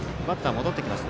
戻ってきました。